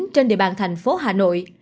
trên địa bàn thành phố hà nội